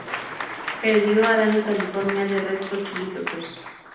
Perdió a "Dani California" de Red Hot Chili Peppers.